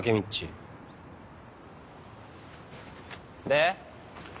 で？